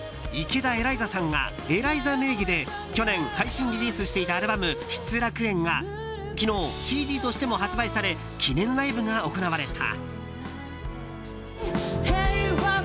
池田エライザさんがＥＬＡＩＺＡ名義で去年最新リリースしていたアルバム「失楽園」が昨日、ＣＤとしても発売され記念ライブが行われた。